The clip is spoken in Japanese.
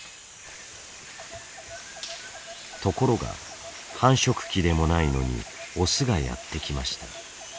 ところが繁殖期でもないのにオスがやって来ました。